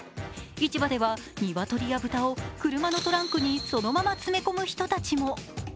市場ではにわとりや豚を車のトランクにそのまま詰め込む人たちも。